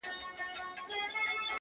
گراني خبري سوې پرې نه پوهېږم،